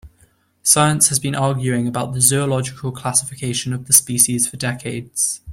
Science has been arguing about the zoological classification of the species for decades.